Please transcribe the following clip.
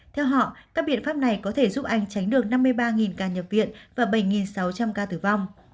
theo họ các biện pháp này có thể giúp anh tránh được năm mươi ba ca nhập viện và bảy sáu trăm linh ca tử vong